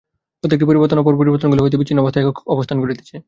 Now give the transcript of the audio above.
প্রত্যেকটি পরিবর্তন অপর পরিবর্তনগুলি হইতে বিচ্ছিন্ন অবস্থায় একক অবস্থান করিতেছে।